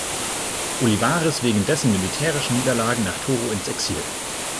Olivares wegen dessen militärischen Niederlagen nach Toro ins Exil.